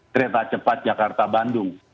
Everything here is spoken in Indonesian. kereta cepat jakarta bandung